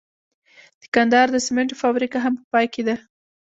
د کندهار د سمنټو فابریکه هم په پام کې ده.